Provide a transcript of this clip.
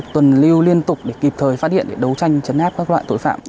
tuần lưu liên tục để kịp thời phát hiện để đấu tranh chấn áp các loại tội phạm